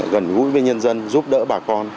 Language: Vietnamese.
gần gũi với nhân dân giúp đỡ bà con